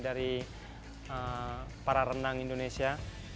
dari para renang indonesia